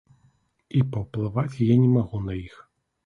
І паўплываць я не магу на іх.